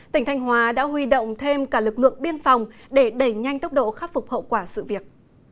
tỉnh thanh hóa đã huy động thêm cả lực lượng biên phòng để đẩy nhanh tốc độ khắc phục hậu quả sự việc